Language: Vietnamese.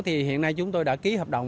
thì hiện nay chúng tôi đã ký hợp đồng